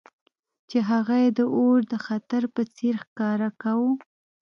چې هغه یې د اور د خطر په څیر ښکاره کاوه